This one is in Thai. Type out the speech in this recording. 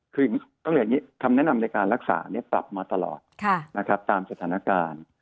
คำแนะนำในการรักษาปรับมาตลอดตามสถานการณ์